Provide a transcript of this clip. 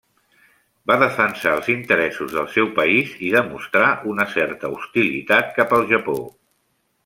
Va defensar els interessos del seu país, i demostrà una certa hostilitat cap al Japó.